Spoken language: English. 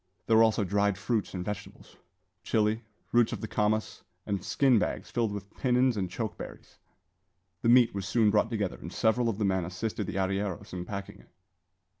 There were also dried fruits and vegetables, chile, roots of the kamas, and skin bags filled with pinons and choke berries. The meat was soon brought together, and several of the men assisted the arrieros in packing it.